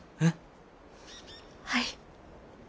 はい。